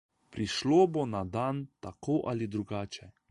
Prišlo bo na dan, tako ali drugače.